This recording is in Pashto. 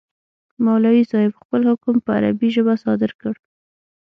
مولوي صاحب خپل حکم په عربي ژبه صادر کړ.